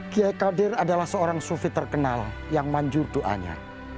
giai kodir adalah seorang sufi terkenal yang manjur doanya